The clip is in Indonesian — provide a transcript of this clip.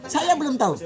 saya belum tahu